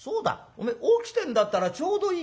お前起きてんだったらちょうどいいや。